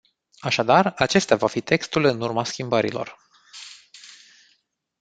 Așadar, acesta va fi textul în urma schimbărilor.